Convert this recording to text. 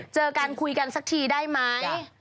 เจอกันคุยกันสักทีได้ไหม